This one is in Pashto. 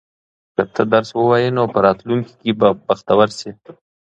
که ته درس ووایې نو په راتلونکي کې به بختور شې.